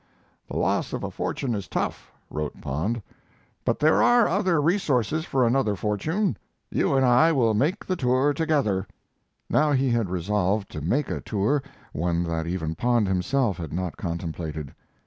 "The loss of a fortune is tough," wrote Pond, "but there are other resources for another fortune. You and I will make the tour together." Now he had resolved to make a tour one that even Pond himself had not contemplated.